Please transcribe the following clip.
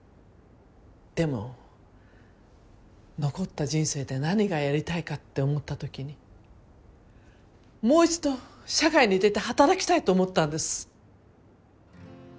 でも残った人生で何がやりたいかって思ったときにもう一度社会に出て働きたいと思ったんです。